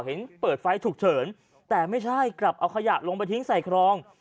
เห็นเปิดไฟฉุกเฉินแต่ไม่ใช่กลับเอาขยะลงไปทิ้งใส่ครอง